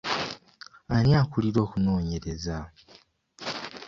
Ani akulira okunoonyereza?